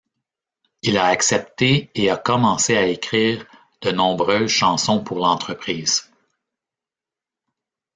Il a accepté et a commencé à écrire de nombreuses chansons pour l'entreprise.